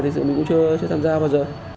thì thực sự mình cũng chưa tham gia bao giờ